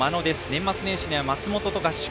年末年始には松元と合宿。